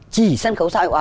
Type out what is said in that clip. chỉ sân khấu xã hội hóa